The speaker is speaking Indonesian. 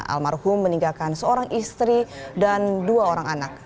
almarhum meninggalkan seorang istri dan dua orang anak